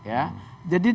supaya clear buat masyarakat